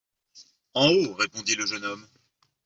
En haut, répondit le jeune homme.